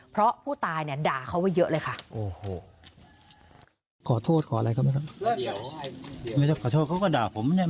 เพราะผู้ตายด่าเขาเยอะเลยค่ะ